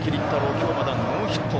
今日まだノーヒット。